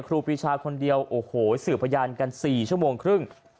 ครูปีชาคนเดียวโอ้โหสื่อพยานกัน๔ชั่วโมงครึ่ง